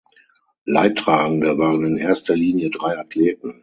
Leidtragende waren in erster Linie drei Athleten.